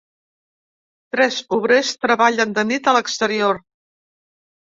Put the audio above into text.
Tres obrers treballen de nit a l'exterior